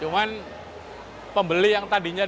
cuman pembeli yang tak ada yang nyaman